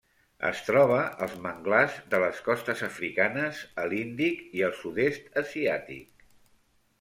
Es troba als manglars de les costes africanes, a l'Índic i al Sud-est asiàtic.